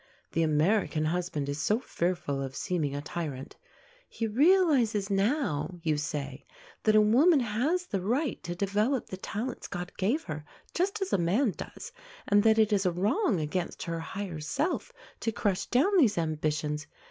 The American husband is so fearful of seeming a tyrant. "He realizes now," you say, "that a woman has the right to develop the talents God gave her just as a man does, and that it is a wrong against her 'higher self' to crush down these ambitions.